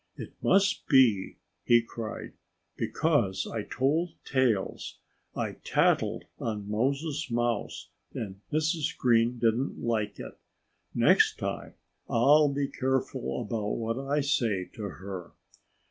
"It must be," he cried, "because I told tales. I tattled on Moses Mouse; and Mrs. Green didn't like it. Next time I'll be careful about what I say to her."